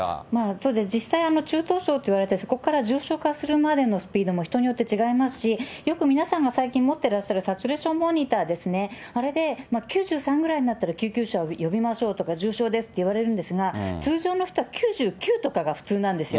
そうですね、実際、中等症といわれて、そこから重症化するまでのスピードも人によって違いますし、よく皆さん、最近持ってらっしゃる、、あれで９３ぐらいになったら救急車を呼びましょうとか重症ですといわれるんですが、通常の人は９９とかが普通なんですよ。